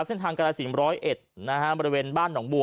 เส้นทางกาลสิน๑๐๑บริเวณบ้านหนองบัว